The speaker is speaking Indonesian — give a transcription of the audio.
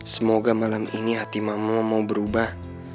semoga malam ini hati makmu mau berubah